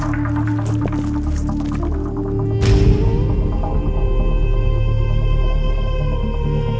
saya tidak ada bayangan